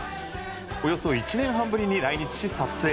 およそ１年半ぶりに来日し撮影。